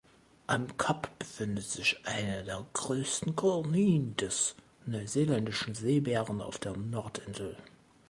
Am Kap befindet sich eine der größten Kolonien des Neuseeländischen Seebären auf der Nordinsel.